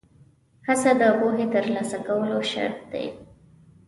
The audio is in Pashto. هڅه د پوهې ترلاسه کولو شرط دی.